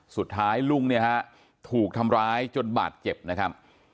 สุดท้ายลุงเนี่ยฮะถูกทำร้ายจนบาดเจ็บนะครับ